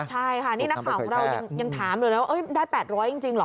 ใช่ค่ะนี่นักของของเรายังถามได้๘๐๐จริงหรอ